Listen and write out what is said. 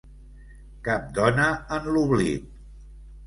Cap dona en l’oblit!